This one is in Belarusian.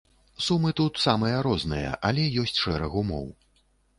Сумы тут самыя розныя, але ёсць шэраг умоў.